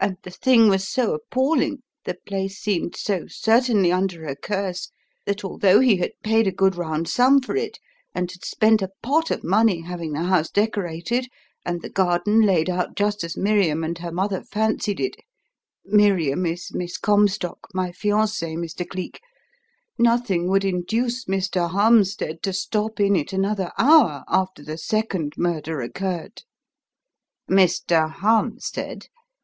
And the thing was so appalling, the place seemed so certainly under a curse, that although he had paid a good round sum for it, and had spent a pot of money having the house decorated and the garden laid out just as Miriam and her mother fancied it Miriam is Miss Comstock, my fiancée, Mr. Cleek nothing would induce Mr. Harmstead to stop in it another hour after the second murder occurred." "Mr. Harmstead!